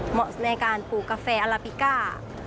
เหมาะในการปลูกกาแฟอัลลาปิก้า